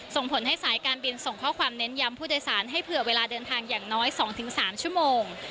ส่งผลให้สายการบินส่งข้อความเน้นย้ำผู้โดยสารให้เผื่อเวลาเดินทางอย่างน้อย๒๓ชั่วโมง